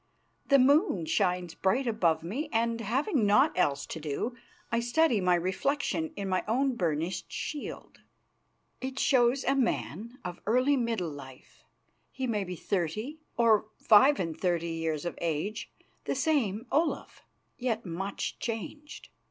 The moon shines bright above me, and, having naught else to do, I study my reflection in my own burnished shield. It shows a man of early middle life; he may be thirty or five and thirty years of age; the same Olaf, yet much changed.